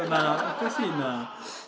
おかしいな。